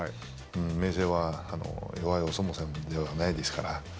明生は、弱いお相撲さんではないですから。